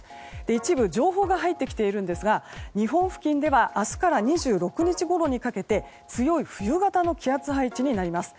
一部、情報が入ってきているんですが日本付近では明日から２６日ごろにかけて強い冬型の気圧配置になります。